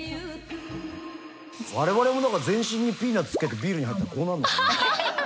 我々も全身にピーナッツつけてビールに入ったらこうなるのかね？